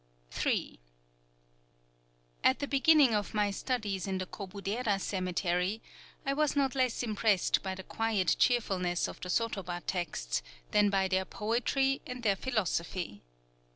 III At the beginning of my studies in the Kobudera cemetery, I was not less impressed by the quiet cheerfulness of the sotoba texts, than by their poetry and their philosophy.